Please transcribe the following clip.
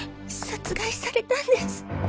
殺害されたんです。